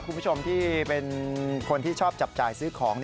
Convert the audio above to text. คุณผู้ชมที่เป็นคนที่ชอบจับจ่ายซื้อของ